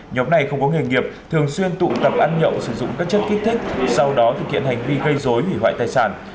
nhóm này không có nghề nghiệp thường xuyên tụ tập ăn nhậu sử dụng các chất kích thích sau đó thực hiện hành vi gây dối hủy hoại tài sản